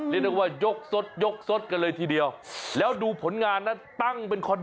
เรียกว่ายกสดกันเลยทีเดียวแล้วดูผลงานนะตั้งเป็นเลย